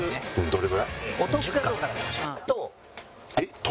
どれぐらい？と。